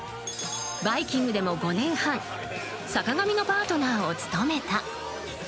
「バイキング」でも５年半坂上のパートナーを務めた。